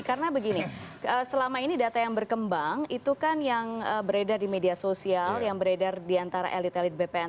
karena begini selama ini data yang berkembang itu kan yang beredar di media sosial yang beredar di antara elit elit bpn